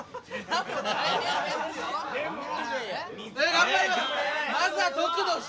・頑張ります！